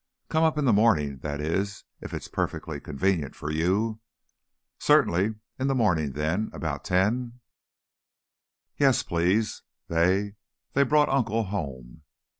"Come up in the morning, that is, if it's perfectly convenient for you." "Certainly; in the morning, then. About ten?" "Yes, please. They they brought Uncle home."